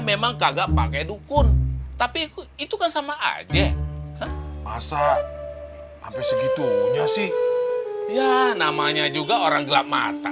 memang kagak pakai dukun tapi itu kan sama aja masa hampir segitunya sih ya namanya juga orang gelap mata